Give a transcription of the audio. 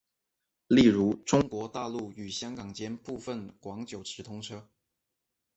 例如中国大陆与香港间部分广九直通车。